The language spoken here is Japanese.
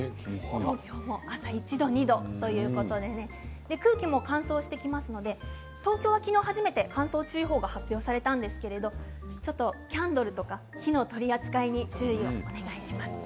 東京も朝は１度、２度ということで空気も乾燥してきますので東京は昨日初めて乾燥注意報が発表されたんですけれどキャンドルとか、火の取り扱いに注意をお願いします。